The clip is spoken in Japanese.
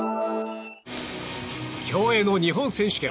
競泳の日本選手権。